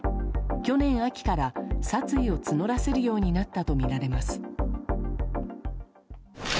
去年秋から殺意を募らせるようになったとみられます。